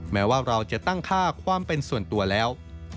แม้ว่าเราจะตั้งค่าความเป็นส่วนตัวแล้ว